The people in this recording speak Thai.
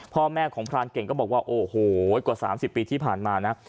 พ่อแม่ของพรานเก่งก็บอกว่าโอ้โหกว่า๓๐ปีที่ผ่านมานะ